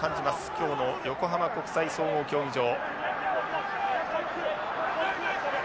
今日の横浜国際総合競技場。